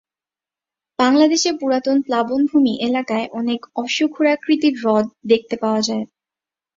বাংলাদেশের পুরাতন প্লাবনভূমি এলাকায় অনেক অশ্বক্ষুরাকৃতি হ্রদ দেখতে পাওয়া যায়।